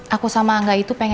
aku sama angga itu pengen